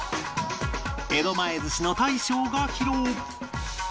江戸前ずしの大将が披露